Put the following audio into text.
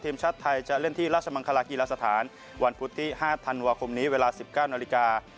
ทีมชาติไทยจะเล่นที่ราชมังคลากีฬาสถานวันพุธที่๕ธันวาคมนี้เวลา๑๙นาฬิกา